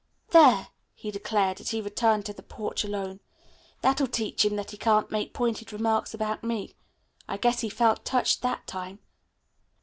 "There," he declared, as he returned to the porch alone. "That will teach him that he can't make pointed remarks about me. I guess he felt 'touched' that time."